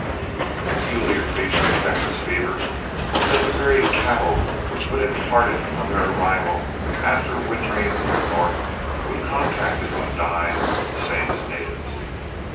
A peculiar feature of Texas fever was that the very cattle which would impart it on their arrival, after wintering in the North would contract it and die the same as natives.